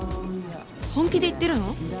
本気で言ってるの？